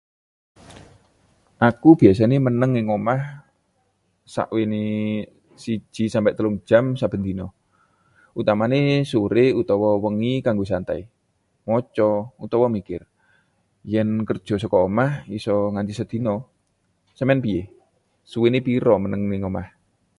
Aku biasane meneng ing omah sakwéné siji sampe telung jam saben dina, utamané sore utawa wengi kanggo santai, maca, utawa mikir. Yen kerja saka omah isa nganti sedina. Sampeyan piye, suwéné pira meneng ing omah